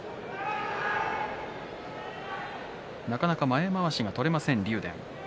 なかなか前まわしが取れません竜電。